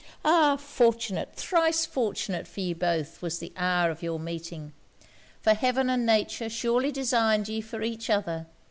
Ah! fortunate, thrice fortunate for ye both, was the hour of your meeting; for heaven and nature surely designed ye for each other!